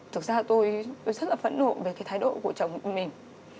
thực ra tôi rất là phẫn nộm về cái thái độ của chồng mình